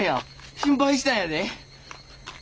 心配したんやで。